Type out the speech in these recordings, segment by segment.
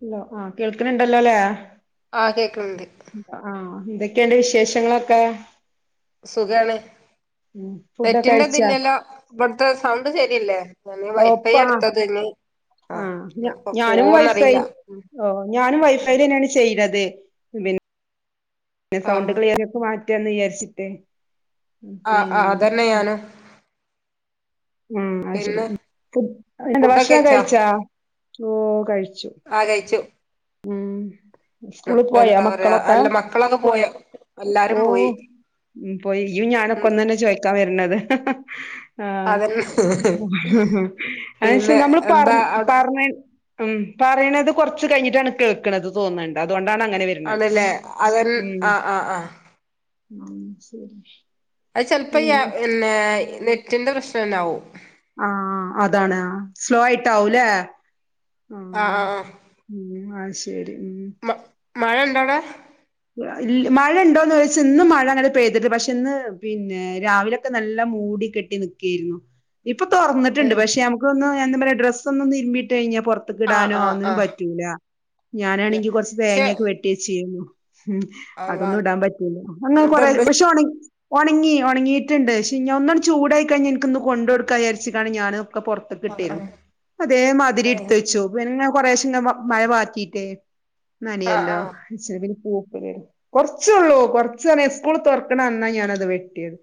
Hello കേൾക്കനുണ്ടല്ലോലെ? ആ കേൾക്കന്നുണ്ട് എന്തൊക്ക ഉണ്ട് വിശേഷങ്ങൾ ഒക്കെ സുഗാണ് ഫുഡൊക്കെ നെറ്റ് ന്റേത് കഴിച്ചാ ഇല്ലല്ലോ ഇവിടെത്തെ സൗണ്ട് ശരിയാലേ ഞാൻ ഇവിടുത്തെ ഓ ഇപ്പ വൈഫൈ ആണ് ആ എടുത്തത് ആ ഇനിയിപ്പോ ഞാനും പോവോന്നറിയില്ല ഉം ഉം വൈഫൈ ലെന്നെന്നു [unintelligible] പിന്നെ ആ സൗണ്ട് ക്ലിയർ [unintelligible] വിചാരിച്ചിട്ട് ഉം, ആ ആ പിന്നെ അതെന്നെ ഞാനും ആ അത് ശരി പിന്നെ പിന്നെ ഫുഡൊക്കെ ഭക്ഷണം കഴിച്ചാ കഴിച്ചോ ഓ കഴി ആ കഴിച്ചു ഉം സ്കൂളിൽ പോയാ എന്താ പറയാ മക്കളൊക്കെ അല്ല മക്കളൊക്കെ പോയോ ഓ എല്ലാരും പോയി ഉ പോയ ഞാനൊക്കെ ഉം ഒന്ന് തന്നെ ചോയ്ക്കാൻ വരണത് ആഹ അതന്നെ അ പിന്നെ നമ്മൾ പറ എന്താ അവിടെ പറ ഉം പറയണത് കൊറച്ച് കഴിഞ്ഞിട്ടാണ് കേൾക്കുന്നത്ത് തോന്നുന്നുണ്ട് അതൊണ്ട് ആണല്ലേ അവൻ ആഹ ആഹ് ആ ആ ശരി അത് ചിലപ്പോ ഉം ഇന്നേ നെറ്റിന്റെ പ്രശ്നംന്നാവും ആ അതാണ് സ്ലോ ആയിട്ടാവൂല്ലെ ആ ആ ആ ആ ഉ അ ശരി ഉം മ [inaudible] [unintelligible] [unintelligible] [unintelligible] ഏ ആഹ് [unintelligible] ആഹ് ആഹ് പക്ഷെ [unintelligible] ഉം അള്ളാ അതൊന്നും ഇടാൻ പറ്റൂല അന്ന് കൊറേ എന്നിട്ടുണ്ട് പക്ഷെ ഒണ ഒണങ്ങി ഒണങ്ങിട്ട്ണ്ട് ക്ഷെ ഞ്ഞി അഒന്നാണ്ട് ചൂടായി കഴിഞ്ഞാ ഇനിക്കിന്നു കൊണ്ടോടുക്കാ വിയാരിച്ച്ക്കാണ് ഞാന് ക്ക ആഹ് പൊറത്ത്ക്ക്ട്ടീരുന്നു ആഹ് അതേ മാതിരി ഏ ഇടുത്ത് വെച്ചു പിന്നെ കൊറേഷെണ്ടാകുമ്പോ മഴ വാക്കീട്ട് ആഹ് ന്നനയല്ലോ ആഹ് ചെവിൻ ഓകെ കൊറച്ചൊള്ളൂ കൊറച്ചറിയ സ്കൂൾ തൊറക്കണ അന്നാ ഞാനത് വെട്ടിയത്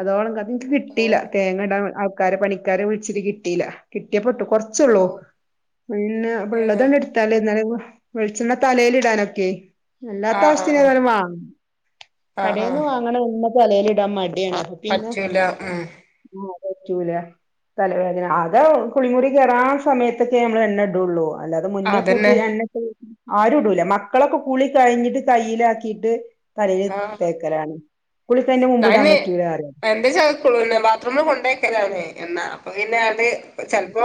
അതോളംക ഇന്ക്ക് ഓ കിട്ടീല തേങ്ങടാ ആ ക്കാരെ പണിക്കാരെ വിളിച്ചിട്ട് കിട്ടീല കിട്ടിയെപ്പെട്ടു കൊറച്ചള്ളൂ ഓ പിന്നെ ഏഹ് അപ്പള്ളതണ്ട്ട്ത്താല് ന്നാലെ വെളിച്ചെണ്ണ തലേലിടാനൊക്കെ അല്ലാത്ത ആഹ് ആവശ്യത്തിന് ആഹ് ആഹ് ഏതായാലും ആഹ് വാങ്ങുംകടേന്ന് ആഹ് വാങ്ങണ തലേലിടാംമാ പറ്റൂല ഉം ആഹ് പറ്റൂല. തലവേദന അത് കുളിമുറി കേറാൻ സമയത്തൊക്കെയ നമ്മൾ എണ്ണ ഇട്ട് കൊട്ക്ക്വ അല്ലാതെ മുന്നേ കൂട്ടി അതന്നെ എണ്ണട്ടു ആരുടൂല മക്കളൊക്കെ കുളി കഴിഞ്ഞിട്ട് കയ്യിലാക്കിട്ട് തലേല് തേക്കലാണ് കുളിക്കഴിഞ്ഞ മുമ്പ് ഇടാൻ തന്നെ പറ്റൂല പറയും രണ്ടീസായി കുളിപിന്നെ ബാത്റൂമി കൊണ്ടക്കലാന് എണ്ണ പിന്നെ അത് പ്പോ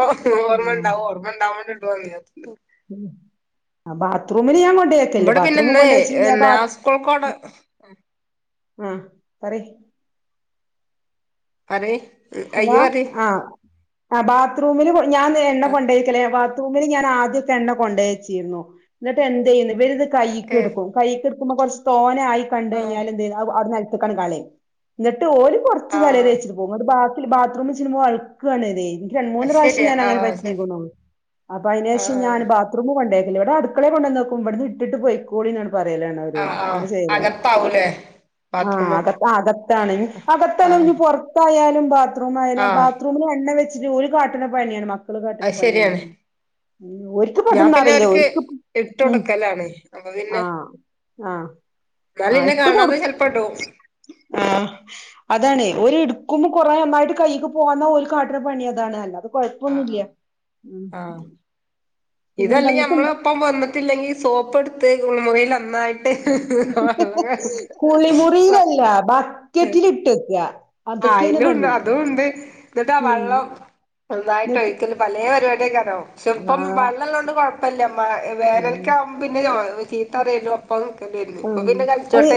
ഓർമണ്ടാവും ഓർമ്മണ്ടാവുമ്പോണ്ട് [unintelligible] ആ ബാത്ത്റൂം [unintelligible] ഞാൻ കൊണ്ടോയിക്കല്ലേ ഇവിടെ ബാത്റൂമി പിന്നെ കൊണ്ടേയച്ചിട്ട് ഞാൻ ഇന്ന് ബാത്ത് സ്കൂൾക്കോടെ ഉം ആ പറെ പറേ ഉം അ ഹലോ ഇയ്യ് പറേ ആഹ് ആ ബാത്റൂമിൽ പോയി ഞാന്ന് ദേഎണ്ണ കൊണ്ടയ്ക്കലേ ബാ റൂമിൽ ഞാൻ ആദ്യംഒക്കെ എണ്ണ കൊണ്ടെച്ചിരുന്നു എന്നിട്ട് എദെയ്‌ൻ ഇവർ കയ്യ്ക്ക് ഏഹ് ഇട്ക്കും കയ്യ്ക്ക് ഇട് ഇട്കുമ്പോ കൊറച്ചു തോനെ ആയി കണ്ട് ആഹ് കഴിഞ്ഞാൽ എന്ത് ചെയ്യും അത് നെലത്ത്ക്ക് നിലത്ത്ക്ക്ആണ്ട് കളീം ഇന്നിട്ട് ഓൽ കൊറച്ചു തലയിൽ ആഹ് തേച്ച്ക്കും ബാ ബാത്‌റൂമിൽ ചെന്ന് വയുക്കാണ് രണ്ടു മൂന്നു അത് പ്രാവശ്യം ശരിയാ ഞാനങ്ങനെ ആഹ് ശരി പറ്റീക്ണ് അപ്പ അയിന് ശേഷം ആഹ് ഞാൻ ബാത്‌റൂമിൽ കൊണ്ടേക്കും അല്ലെങ്കി ഇവിടെ അടുക്കളയിൽ കൊണ്ടന്നെക്കും ഇവിടന്ന് ഇട്ടിട്ട് പൊയ്ക്കോളി ന്ന പറയൽ ആണ് ആഹ് അവരോട് ആഹ് ആഹ് അങ്ങനെ ചെയ്ത അകത്താവൂലേ ആ ബാത്റൂമൊക്കെ അകത്താണ് ആഹ് അകത്താണെങ്കിലും പൊറത്താണെങ്കിലും അകത്തായാലും ആഹ് ബാത്‌റൂമിൽ എണ്ണ വെച്ചിട്ട് ച്ചിട്ട് ഓൽ കാട്ട്ണ പണിയാണ് മക്കൾ മക്കൾ കാട്ട്ണ അത് പണിയാണ് ശരിയാണ് ഓർക്ക് ഇപ്പൊ ഞാൻ അതൊന്നും പിന്നെ അറീല അവർക്ക് ഓർക്ക് ഇട്ട് ഇപ്പൊ കൊടുക്കലാണ് അപ്പൊ പിന്നെ ആ ആ ആ എന്നാലും ഇന്നെ കാണാതെ ഇട്ടകൊടുക്കും ചെലപ്പോ ഇടും ആ അതാണെ ഓർ ഇട് ക്കുമ്പോ കുറെ ഒന്നായിട്ട് കയ്യ്ക്ക് പോന്നാ ഓൽ കാട്ട്ണ പണിയതാണ് കൊയപ്പം ആഹ് ഒന്നൂല്യ ആഹ് മ് ഇതല്ലങ്കിൽ നമ്മളെ ഒപ്പം വന്നിട്ടില്ലെങ്കിൽ സോപ്ഇട്ത് മുറിയിൽ ഒന്നായിട്ട് വെള്ളം [unintelligible] കുളിമുറീൽ അല്ല കലക്ക ബക്കറ്റിൽ ഇട്ട് വെക്ക ആ അതൊക്കെയാണ് പണി അയിലുണ്ട് അതുണ്ട് [inaudible] ഇന്നിട്ട് ആ ഉം വെള്ളം നന്നായിട്ട് എന്നിട്ട് ഒഴിക്കൽ പലേ പരിപാടി അയ്ക്കാരം ഇപ്പം ആഹ് വെള്ളം ഉള്ളതോണ്ട് കൊയപ്പല്യ മ വേനൽക്ക് ഉം ആവുമ്പോ പിന്നെ ചീത്തപറയലും ഒപ്പ [unintelligible] ആ അത്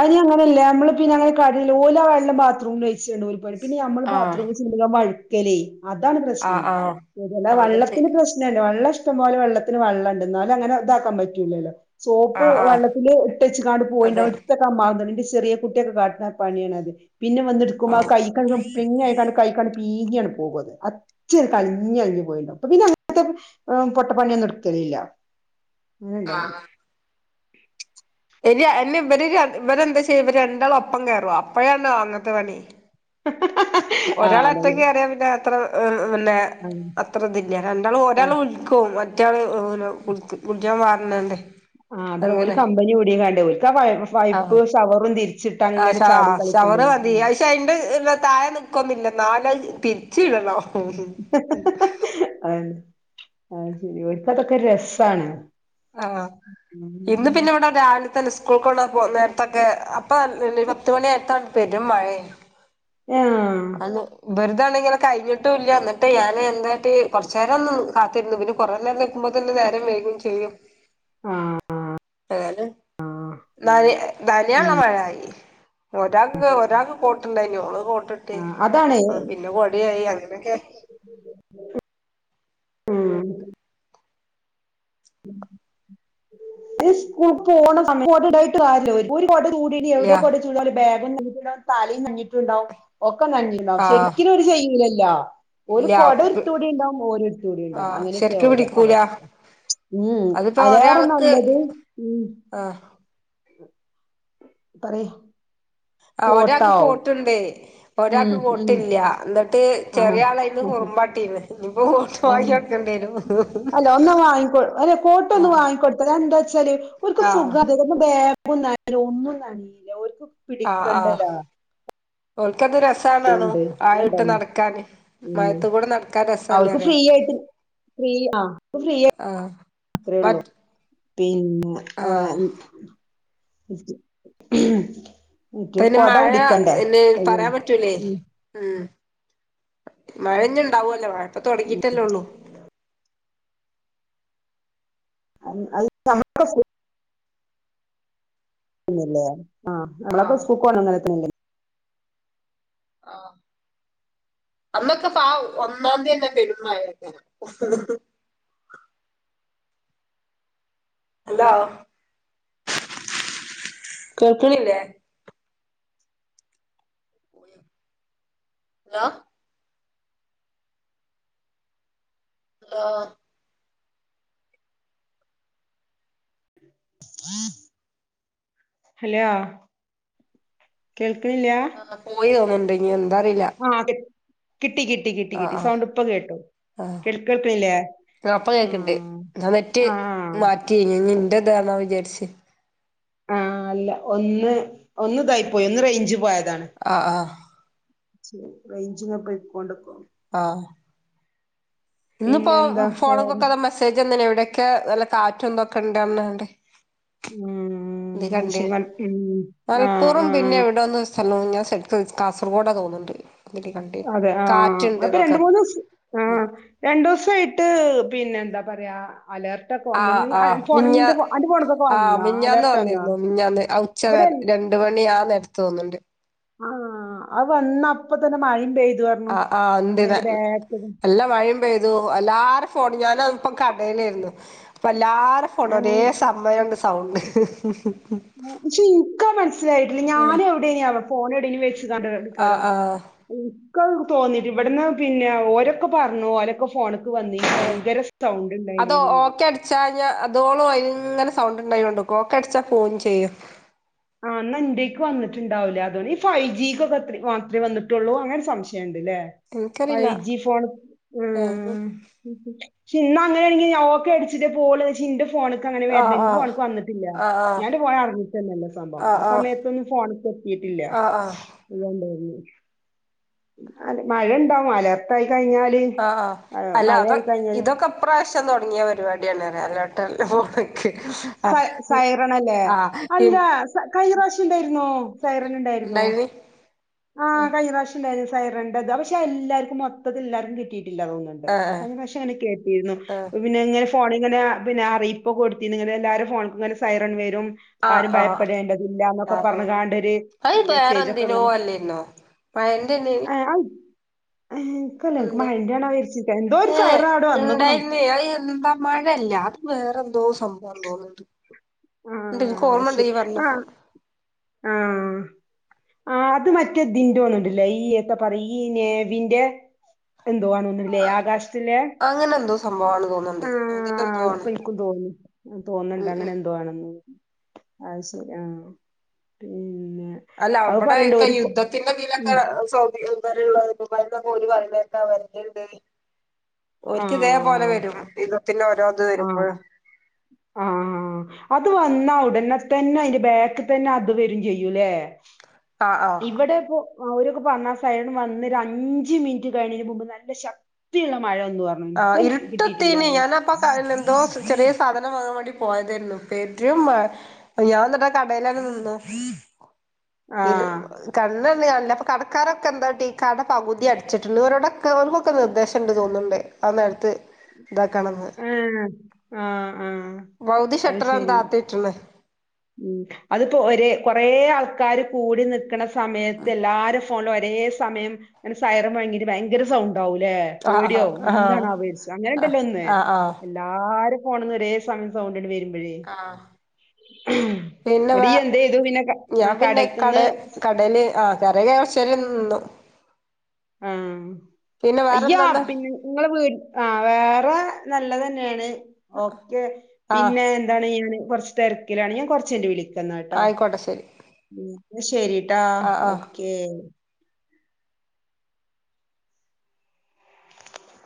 അല്ലെ അങ്ങനല്ല നമ്മള് പിന്നെ കളി അല്ല ഓൽ വെള്ളം ബാത്‌റൂമിൽ ഒഴിച്ചക്കാണ്ട് ഓൽ പറി പിന്നെ നമ്മള് ആഹ് ബാത്‌റൂമിൽ ചെല്ലുമ്പോ അങ്ങട്ട് വയ് യെലെ അതാണ്‌ ആഹ് പ്രശ്നം ആഹ് അതല്ലാതെ അതുണ്ട് വെള്ളത്തിന്റെ പ്രശ്നം അല്ല വെള്ളം ഇഷ് ഇഷ്ടം പോലെ വെള്ളത്തിന് വെള്ളം ഇണ്ട് എന്നാലും അങ്ങനെ ഇതാക്കാൻ പറ്റൂല്ലല്ലോ സോപ്പ് ആഹ് ആഹ് വെള്ളത്തില് ഇട്ടേച്ച്കാണ്ട് അതെ പോയിണ്ടാവും എടുത്തു വെക്കാൻ മറന്നു [unintelligible] ചെറിയ കുട്ടിയൊക്ക കാട്ടണ പണിയാണത് പിന്നെ വന്ന് എടുക്കുമ്പോ ആ ആഹ് കൈക്കങ്ങ് പിങ് അയ്കാണ്ട് കൈകാണ്ട് പീങ്ങിയെടു പോകുഅത് അച്ചിയൊരു കളിഞ്ഞ [unintelligible] പോയിണ്ടാവും ഇപ്പോ പിന്നെ അങ്ങനത്തെ പൊട്ടപ്പണിയൊന്നും എടുക്കലില്ല അങ്ങനെയുണ്ടോ [inaudible] ഇനി എന്നേ ഇവര് ര ഇവരെന്താ ചെയ്യ് ഇവരണ്ടാള് ഒപ്പം കേറും അപ്പോഴാണ് അങ്ങത്തെ പണി [inaudible] ആ ഒരാള് അതാണ് ഒറ്റക്ക് കേറിയ പിന്നെ അത്ര [unintelligible] പിന്നെ അത്ര ഇതില്ല രണ്ടാളും ആ ഒരാള് വിളിക്കും മാറ്റാളു ഇഹ് നോ വിളിക്ക് വിളിക്കാൻ പാ എന്നാഇണ്ട് ആഹ് അതാണ് ഓൽ കമ്പനി കൂടിയെകാണ്ട് ഓൽ ആഹ് അ അങ്ങനെ ഷ അഹ് ചാടി അ ഷവർ കളിക്കേണ്ടി വരും മതി ഉം അ ശെ എന്റെ താഴെ നിക്കൊന്നും ഇല്ല എന്നാലും അ തിരിച്ച് ഇടണോ [unintelligible] ആ ശരി ഓര്ക്ക് അതൊക്കെ രസാണ് ആഹ് ഇന്ന് ആഹ് പിന്നെ ഇവടെ ഒരാള് തന്നെ സ്കൂൾക് എവിടാ പോന്നേ തക്കെ അപ്പ ലിവ എട്ടു മണി അയത്തോണ്ട് പെരും മഴേ അന്ന് വെർ താ നിങ്ങള് കഴിഞ്ഞിട്ടു ഇല്ല എന്നിട്ട് ഞാന് എന്ത് കാട്ടി കുറച്ച് നേരം നിന്നു കാത്തിരുന്നു പിന്നെ കൊറേ നേരം നിക്കുമ്പോതേന് നേരം വൈകും ചെയ്യും ആഹ് ഏതാലും നനയ നനയാനുള്ള മഴയായി ഒരാക്ക് ഒരാക് കോട്ടുണ്ടായിനു അവള് കോ റ്റെ ആഹ് [unintelligible] പിന്നെ കൊടയായി അങ്ങനെ എ മ്മ് ഈ സ്കൂൾക് പോണ സമയ [unintelligible] ഉണ്ടായിട്ട് കാര്യയില്ല ഓര് ഓര് കൊടചൂടിനി ഇല്ല എവിടെയാ കൊടചൂടൽ ബാഗും നനയും കിലോ താളീം കഞ്ഞീം ക്കെ ഇണ്ടാവും ഒക്കെ നനഞ്ഞിട്ടുണ്ടാവും ആഹ് ശെരിക്കിന് ഓര് ചെയ്യൂലല്ലോ ലാ ഓന് ഇല്ല കുട എടുത്തുടിണ്ടാകും ഓന് എടുത്തുടി ഇണ്ടാകും ആഹ് അങ്ങനെ യെക്കെയാ ശരിക്ക് ഒരേ പിടിക്കൂല അവസ്ഥ ഉം [unintelligible] ഉം ആ പറയ് ആ ഒരാക്ക് കോട്ടാവും കോട്ട് ഉണ്ടേ ഉം ഒരാൾക്ക് ഉം കോട്ട് ഇല്ല എന്നിട്ട് ചെറിയ ആളായിരുന്നു കുറമ്പാട്ടിത് അം അല്ല ഒന്ന് വാങ്ങി കൊ അല്ല കോട്ട് ഒന്ന് ആഹ് വാങ്ങി കൊടുത്തോ അഎന്താച്ചാ ചെറിയ കുട്ടി ഓര്ക്ക് ആഹ് സുഖാ അത് [unintelligible] ബാഗ് മൂന്നാല് ഉമ്മ കണ്ടില്ല ഓര്ക്ക് പിടിക്കണ്ടലാ എന്ത് രസണണ്ണോ ആ ഇട്ട് നടക്കാൻ നിലത്ത് കൂടെ നടക്കാൻ രസാണ് അവൾക്ക് അറിയ ഫ്രീ ആയിട്ട് ഫ്രീ ആ അവക്ക് ഫ്രീ ആഹ് അത്രേയള്ളൂ മറ്റ് പിന് ആ ആഹ് ഉം [unintelligible] അപ്പന്ന് കൊട മഴ പിടിക്കണ്ടേ പിന്നെ പറയാൻ കയ്യോണ്ട് പറ്റൂലേ ഉം ഉം മഴഞ്ഞിണ്ടാവല്ലോ മഴ പ്പോ തുടങ്ങിട്ടല്ലോ ഉള്ളു അത് അത് അവർക്ക് സ് പിന്നല്ലേ ആ നമ്മളൊക്കെ ആഹ് സ്കൂ പോ അങ്ങനെ തന്നെ ആ അന്നൊക്കെ പ ഒന്നാം തീ തന്നെ പെരുമഴക്കെയാണ് ഹ് ഹ് ഹലോ കേൾക്കണില്ലേ പോയോ ഹലോ ആ ഹലോ കേക് ആ പോയെ [unintelligible] വാദി കേട്ടു കേൾ കേൾക്കണില്ലേ [unintelligible] ആഹ് ആഹ് [inaudible] ആ അല്ല, ഒന്ന് ഒന്നിതായി പോയി. ഒന്ന് റേഞ്ച്‌ പോയതാ. ആ ഹ. [unintelligible] ഇന്നുപ്പോ പിന്നെന്താ [unintelligible] [unintelligible] ഉം നീ അത് ശരി കണ്ടേണ്. ഉം ആഹ് മൽപ്പുറം പിന്നെ ആഹ് എവിടെന്ന് സ്ഥലോണ് ഞാൻ സെറ്റ് കാസർഗോഡാ തോന്നുന്നുണ്ട്. ഇതില് കണ്ട് അതെ ആ കാറ്റുണ്ട് അപ്പ എന്നൊക്കെ രണ്ടു മൂന്നുസ് ആ രണ്ടൂസമായിട്ട് എന്താ പറയാ. അലേർട്ടൊക്കെ ആ വന്നിന് ആ ഫോണ് മിഞ്ഞാ നിന്റെ അന്റെ ഫോണ്ക്കൊക്കെ ആ വന്നാ മിഞ്ഞാന്ന് അലേർട്ട് വന്നാ വന്നിരുന്നു, മിഞ്ഞാന്ന് ആ ഇവിടെ ഉച്ചനേരത്ത് രണ്ടു മണി ആ നേരത്ത്.. തോന്നണ്ട്. ആ വന്ന അപ്പത്തന്നെ മഴയും പെയ്ത്. ആ ആ [unintelligible] നല്ല മഴയും പെയ്തു എല്ലാർ [unintelligible] അപ്പ കാടെലായിരുന്നു [unintelligible] എല്ലാവരുടെ ഫോണും ഏഹ് ഓരോ സമയങ്ങട് സൗണ്ട് പക്ഷെ എനിക്ക് അത് മനസിലായിട്ടില്ല ഞാനും അവിടെനി അ ആഹ് ഫോണ് ആഹ് [unintelligible] [unintelligible] തോന്നി ഇവിടന്ന് പിന്നെ ഓരക്കെ പറഞ്ഞു ഓരക്കെ ഫോണ്. ഓ അത് പറഞ്ഞു ഓക്കെ അടിച്ചഴിഞ്ഞാ. [unintelligible] ഇങ്ങനെ സൗണ്ട് ഉണ്ടായിക്കൊണ്ട് ഓക്കെ അടിച്ചാ ഫോൺ ചെയ്യും. അന്നാന്റെക്ക് വന്നിട്ടിണ്ടാവുല്ല അതുകൊണ്ട് ഈ ഫൈവ് ജിക്കൊക്കെ അത്ര മാത്രേ വന്നിട്ടുള്ളു, അങ്ങനെ ഒരു സംശയ ല്ലെ ഇൻക്കറിയില്ല ഫൈവ് ജി ഫോൺ ഏഹ് ഉം ഇന്ന് അങ്ങനെ ആണെങ്കിൽ ഞാൻ ഓക്കെ അടിച്ചിട്ടെ പോവുള്ളു എന്നു വെച് എന്റെ ഫോ ഫോണുക്ക് അങ്ങനെ ആഹ് [unintelligible] ഇന്ന് ഫോണിക്ക് വന്നിട്ടില്ല ആഹ് ആഹ് ഞാൻ എന്റെ [unintelligible] ആ ആഹ് ആഹ് സമയത്തു ഒന്നും ഫോൺ പൊക്കിയിട്ടില്ല ആഹ് ആഹ് ഇതായി [unintelligible] അല്ല മഴെണ്ടാവും മഴയത്തായി. ആഹ അല്ല അപ്പ കഴിഞ്ഞാല് ഇതൊക്കെ ഈ പ്രാവശ്യം തുടങ്ങിയ പരിപാടിയാന്നെ മേലോട്ടല്ല [unintelligible] സൈ സൈറൻ അല്ലേ, ആഹ് അല്ല പിൻ സ കഴിഞ്ഞ പ്രാവശ്യം ഇണ്ടായിരുന്നു സൈറൻ ഇണ്ടായിരുന്നു. ഇണ്ടായിനി ആ ഏഹ് കഴിഞ്ഞ പ്രാവശ്യം. ണ്ടായിരുന്നു സൈറെന്റെ ഇത് പക്ഷെ എല്ലാർക്കും മൊത്തത്തിൽ എല്ലാർക്കും കിട്ടി ല്ലാന്ന് തോന്നാനുണ്ട് ഏഹ് കഴിഞ്ഞ പ്രാവശ്ര്യം അങ്ങനെ കേട്ടിരുന്നു ഏഹ് പിന്നെ ഇങ്ങനെ ഫോണിങ്ങനാ പിന്നെ അറിയിപ്പ് കൊടുത്തിനു ഇങ്ങനെ എല്ലാരും എല്ലാരെ ഫോണിൻ മേലും സൈറൺ വരും [unintelligible] ആഹ് ആരും ആഹ് ഭയപ്പെടേണ്ടതില്ലാ എന്നൊക്കെ ആഹ് ആഹ് പറഞ്ഞുങ്ങാണ്ട് ഒരു അത് വേറെ മെസ്സേജ് ഒക്കെ എന്തിനോ ഇങ്ങനെ [unintelligible] ഏഹ് എനിക്കല്ല എന്തോ മൈൻഡ് ചെയ്യണന്നു വിചാരിച്ചിട്ട് എന്തോ ഒരു ഏ സൈറൺ അവിടെ വന്ന്ക്കണു ഉണ്ടായിരുന്നേ അത് എന്താ മഴല്ല അത് വേറെന്തോ സംഭവാന്നു തോന്നുന്നുണ്ട് ഉണ്ട് എനിക്ക് മ്ഹ് ഓർമ്മണ്ട് അത്ശെരി ഈ പറഞ്ഞപ്പോ ആഹ് ആഹ് ആ അത് മറ്റേതിന്റെ തോന്നണ്ണ്ണ്ടല്ലേ ഈ എന്താ പറയ ഈ നേവിന്റെ എന്തു വാന്ന് തോന്നുണുണ്ട്ലെ ആകാശത്തിലെ അങ്ങനെ എന്തോ സംഭവമാണ് ആ തോന്നുന്നുണ്ട് അതിനെന്തോ അപ്പ ആണ് എനിക്കും തോന്നി തോന്നണ്ട് ഉം അങ്ങനെ ഉം എന്തുവാണെന്ന് അത് ശെരി ആഹ് പി അല്ല അവിടെ ഒക്കെ യുദ്ധത്തിന്റെ ദിലൊക്കെ ഉം സൗദിക്കും [unintelligible] ഒരിക്ക ഇതേപോലെ ആഹ് വരും യുദ്ധത്തിന്റെ ഓരോത് ആഹ് വരുമ്പോഴും ആഹ് അത് വന്നാ ഉടനെ തന്നെ അതിന്റെ ബാക്ക് തന്നെ അത് വരും ചെയ്യൂലേ ആഹ് ആഹ് ഇവിടെ അവരൊക്കെ പറഞ്ഞാ സൈൺ വന്ന്ഒര് അഞ്ച് മിൻറ്റ് കഴിഞ്ഞതിന് മുമ്പ് നല്ല ശക്തിള്ള ആ ഇരുട്ടത്തേനി ഞാൻ അപ്പ കൽ എന്തോ കിട്ടിയിട്ടില്ല ചെറിയ സാധനം വാങ്ങാൻ പോയതരുന്നു പേരും മഴ ഞാൻന്ന്ട്ടാ കടെലാണ് നിന്നു ഇ ആഹ്. കണ്ണ് കടക്കാരൊക്കെ എന്താട്ടി കട പകുതി [unintelligible] അടിച്ചിട്ണ്ട് ഇവരോടൊക്കെ ഇവർക്കൊക്കെ നിർദേശംണ്ട് തോന്ന്ണ്ട് അല്ലാ അട്ത്ത് ഇതക്കാണെന്ന് ആ ആ അയ് ശരി താത്തിട്ട്ണ് ഉം അതിപ്പോ ഒരെ കൊറെ ആൾ ക്കാര് കൂടി നിക്ക സമയത്ത് എല്ലാരും ഫോ ഒരേ സമയം സയ്റൻ മോയങ്ങീട് ഭയങ്കര സൗണ്ട് ഉണ്ടാവുംല്ലേ ആ ആ പേടിയാവും ആ എന്താണോവോചാര്ച്ചും അങ്ങനെ ആ ണ്ടല്ലോ ഒന്ന് ആ ആ എല്ലാരും പോണന്ന് ഒരെ സമയം സൗഡ് ആ പിന്നേ ഇന്നട്ട് വേ ഇയ്യ് എന്തേയ്തു പിന്നെ ക ഞാ ആഹ് പിന്നെ കടേക്ക്ന്ന് ക്കടേ കടേല് ആ [unintelligible] നിന്നു ആ പിന്നെ അയ്യോ വേറെന്താന്ന് പ് ങ്ങള് വീ ആ വേറെ നല്ലതന്നെണ് ഓകെ ആ പിന്നെന്താണ് പ്പോ കൊർച്ച് തെരക്ക്‌ലാണ് ഞാൻ കൊറച്ച് യ്ഞ്ഞ് വി [unintelligible] ആയിക്കോട്ടെ ശരി എന്നാ ശരിട്ടാ ആ ആ ഓകെ